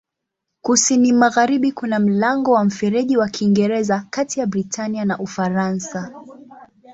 Kusini-magharibi kuna mlango wa Mfereji wa Kiingereza kati ya Britania na Ufaransa.